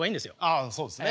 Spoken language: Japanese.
ああそうですね。